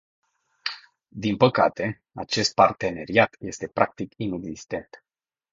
Din păcate, acest parteneriat este practic inexistent.